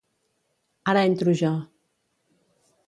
Ara entro jo.